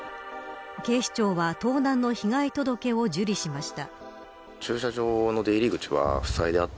警視庁は、盗難の被害届を受理しました。